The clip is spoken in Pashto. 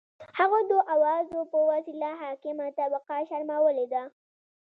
هغوی د اوازو په وسیله حاکمه طبقه شرمولي ده.